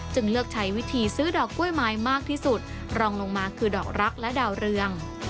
เลือกใช้วิธีซื้อดอกกล้วยไม้มากที่สุดรองลงมาคือดอกรักและดาวเรือง